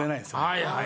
はいはい。